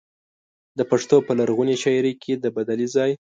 د پښتو په لرغونې شاعرۍ کې د بدلې ځای.